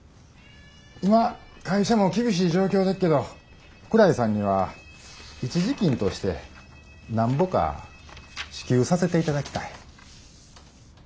今会社も厳しい状況でっけど福来さんには一時金としてなんぼか支給させていただきたい。